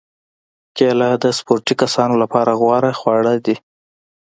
کېله د سپورتي کسانو لپاره غوره خواړه ده.